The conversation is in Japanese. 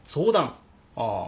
ああ。